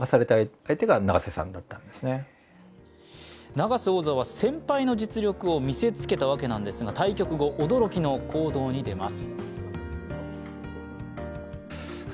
永瀬王座は先輩の実力を見せつけたわけですが、対局後、驚きの行動に出ます。